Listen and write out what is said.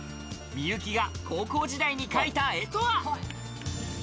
幸が高校時代にかいた絵とは？